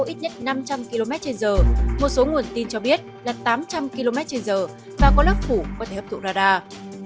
ít nhất năm trăm linh km trên giờ một số nguồn tin cho biết là tám trăm linh km trên giờ và có lớp phủ có thể hấp thụ radar